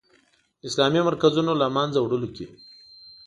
د اسلامي مرکزونو له منځه وړلو کې.